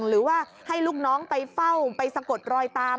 หรือว่าให้ลูกน้องไปเฝ้าไปสะกดรอยตาม